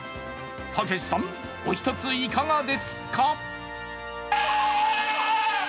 たけしさん、お一ついかがですか？